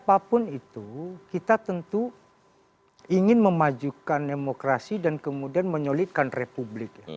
apapun itu kita tentu ingin memajukan demokrasi dan kemudian menyulitkan republik ya